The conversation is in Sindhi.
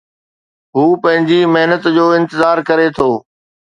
هو پنهنجي محنت جو انتظار ڪري ٿو